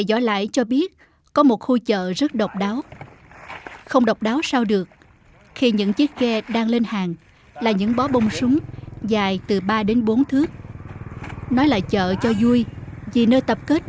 đây là loại súng quan nhưng sức sống của nó thật mảnh liệt